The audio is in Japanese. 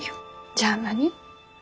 じゃあ何？